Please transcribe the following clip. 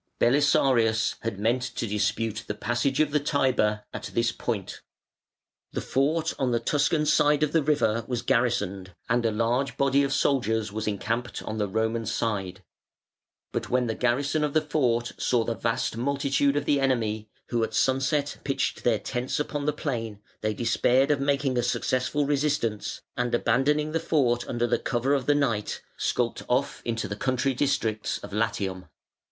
Belisarius had meant to dispute the passage of the Tiber at this point. The fort on the Tuscan side of the river was garrisoned, and a large body of soldiers was encamped on the Roman side; but when the garrison of the fort saw the vast multitude of the enemy, who at sunset pitched their tents upon the plain, they despaired of making a successful resistance, and abandoning the fort under cover of the night, skulked off into the country districts of Latium.